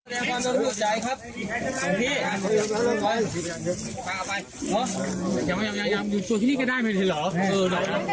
เออหรอเอาพี่ชี้มาดิ